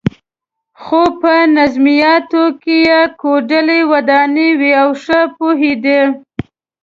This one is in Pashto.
خو په نظمیاتو کې یې کوډلۍ ودانې وې او ښه پوهېده.